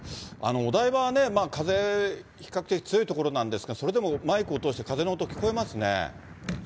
お台場は風、比較的強い所なんですが、それでもマイクを通して風の音、聞こえますね。